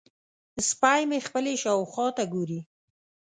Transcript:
سپی مې خپلې شاوخوا ته ګوري.